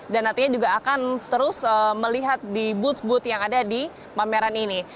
dan nantinya juga akan terus melihat di booth booth yang ada di pameran ini